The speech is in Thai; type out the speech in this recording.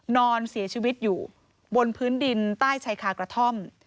นอนเสียชีวิตอยู่บนพื้นดินใต้ชายคากระท่อม